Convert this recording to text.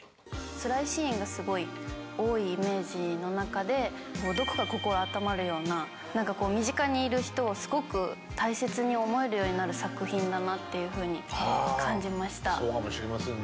つらいシーンがすごい多いイメージの中で、どこか心温まるような、身近にいる人をすごく大切に思えるようになる作品だなっていうふそうかもしれませんね。